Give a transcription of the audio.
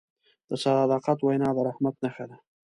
د صداقت وینا د رحمت نښه ده.